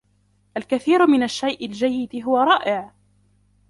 الكثير من الشيء الجيد هو رائع!